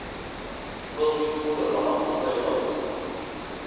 Был микстура тамаҡты сайҡау өсөн